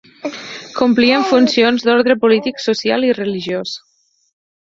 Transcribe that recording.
Complien funcions d'ordre polític, social i religiós.